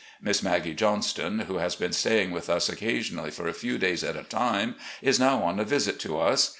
Miss Maggie Johnston, who has been sta3ring with us occasion ally for a few days at a time, is now on a visit to us.